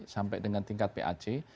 sampai dengan tingkat pac